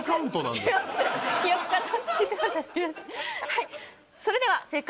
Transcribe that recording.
はい！